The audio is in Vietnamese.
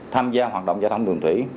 tham gia hoạt động giao thông thủy